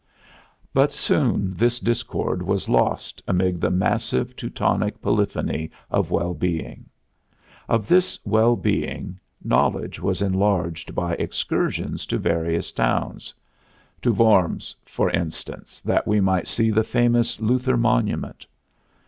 But soon this discord was lost amid the massive Teutonic polyphony of well being. Of this well being knowledge was enlarged by excursions to various towns. To Worms, for instance, that we might see the famous Luther Monument.